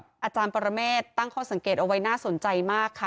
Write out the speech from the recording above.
อาจารย์ปรเมฆตั้งข้อสังเกตเอาไว้น่าสนใจมากค่ะ